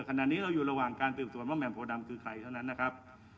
ขณะนี้เราอยู่ระหว่างการสืบสวนว่าแหม่โพดำคือใครเท่านั้นนะครับ